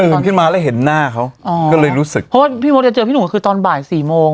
ขึ้นมาแล้วเห็นหน้าเขาอ๋อก็เลยรู้สึกเพราะว่าพี่มดจะเจอพี่หนุ่มคือตอนบ่ายสี่โมง